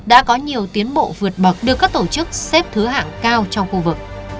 đã có nhiều tiến bộ vượt bậc được các tổ chức xếp thứ hạng cao trong khu vực